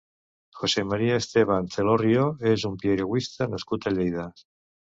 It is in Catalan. José María Esteban Celorrio és un piragüista nascut a Lleida.